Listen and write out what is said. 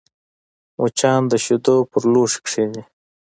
مچان د شیدو پر لوښي کښېني